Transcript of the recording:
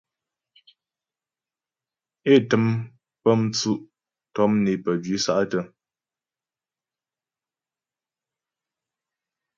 É tə́m pə́ mtsʉ' tɔm né pəjwǐ sa'tə́.